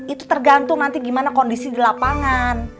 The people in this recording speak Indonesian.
itu tergantung nanti gimana kondisi di lapangan